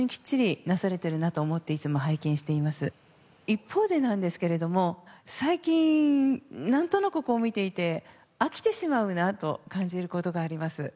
一方でなんですけれども最近なんとなくこう見ていて飽きてしまうなと感じる事があります。